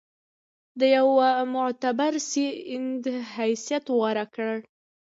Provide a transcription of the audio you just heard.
د یوه معتبر سند حیثیت غوره کړ.